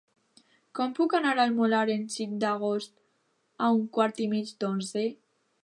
Com puc anar al Molar el cinc d'agost a un quart i mig d'onze?